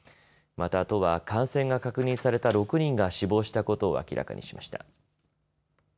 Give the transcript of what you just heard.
また都は感染が確認された６人が死亡したことを明らかにしました。